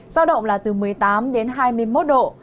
giao động là từ một mươi tám đến hai mươi một độ